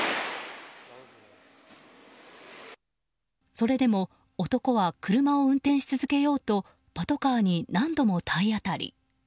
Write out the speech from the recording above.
それでも男は車を運転し続けようとパトカーに何度も体当たり。